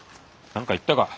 何か言ったか？